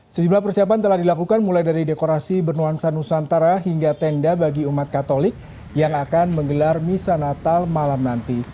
sejumlah persiapan telah dilakukan mulai dari dekorasi bernuansa nusantara hingga tenda bagi umat katolik yang akan menggelar misa natal malam nanti